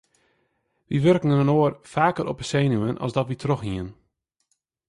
Wy wurken inoar faker op 'e senuwen as dat wy trochhiene.